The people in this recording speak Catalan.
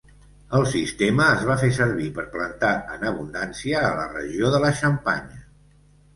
El sistema es va fer servir per plantar en abundància a la regió de la Xampanya.